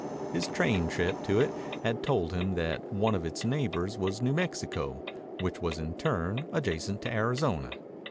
His train trip to it had told him that one of its neighbors was New Mexico, which was in turn adjacent to Arizona.